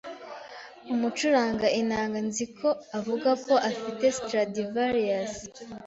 Umucuranga inanga Nzi ko avuga ko afite Stradivarius.